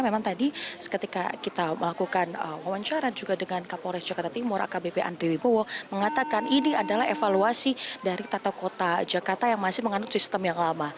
memang tadi seketika kita melakukan wawancara juga dengan kapolres jakarta timur akbp andri wibowo mengatakan ini adalah evaluasi dari tata kota jakarta yang masih mengandung sistem yang lama